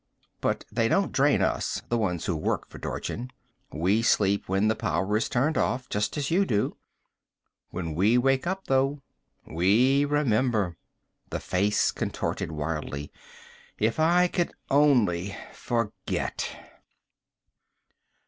But they don't drain us, the ones of us who work for Dorchin. We sleep when the power is turned off, just as you do. When we wake up, though, we remember." The face contorted wildly. "If I could only forget!"